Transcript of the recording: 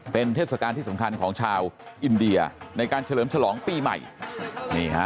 เป็นเทศกาลที่สำคัญของชาวอินเดียในการเฉลิมฉลองปีใหม่นี่ฮะ